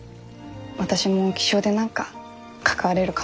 私も気象で何か関われるかもしれない。